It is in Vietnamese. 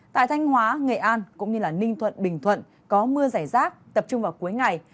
tại thanh hóa nghệ an cũng như ninh thuận bình thuận có mưa rải rác tập trung vào cuối ngày